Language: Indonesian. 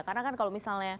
karena kan kalau misalnya